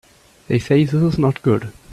They say this is not good.